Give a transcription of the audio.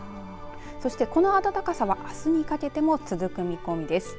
そして、この暖かさはあすにかけても続く見込みです。